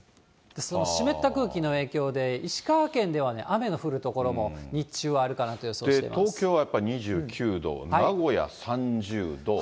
その湿った空気の影響で、石川県では雨の降る所も、東京はやっぱり２９度、名古屋３０度。